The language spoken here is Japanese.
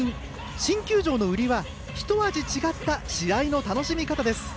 新球場の売りは一味違った試合の楽しみ方です。